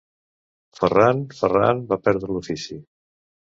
Ferrant, ferrant va perdre l'ofici.